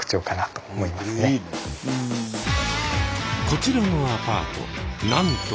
こちらのアパート。